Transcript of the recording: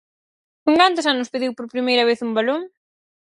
Con cantos anos pediu por primeira vez un balón?